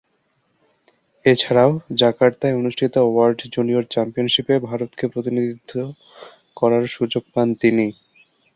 এছাড়াও, জাকার্তায় অনুষ্ঠিত world junior চ্যাম্পিয়নশিপে ভারতকে প্রতিনিধিত্ব করার সুযোগ পান তিনি।